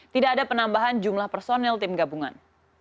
tidak ada penambahan jumlah personel tim gabungan